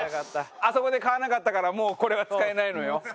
あそこで買わなかったからもうこれは使えないのよ。